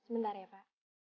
bentar ya pak